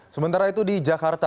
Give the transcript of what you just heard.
sementara itu di jakarta